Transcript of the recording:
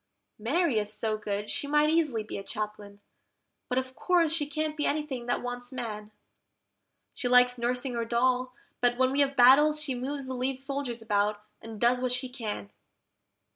Mary is so good, she might easily be a Chaplain, but of course she can't be anything that wants man; She likes nursing her doll, but when we have battles she moves the lead soldiers about, and does what she can.